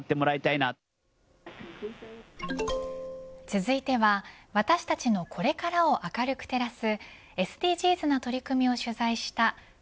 続いては、私たちのこれからを明るく照らすＳＤＧｓな取り組みを取材した＃